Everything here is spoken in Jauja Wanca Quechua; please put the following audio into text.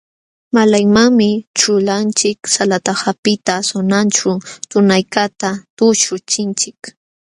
Malaymanmi ćhulanchik salata hapiqta sananćhu tunaykaqta tuśhuchinchik.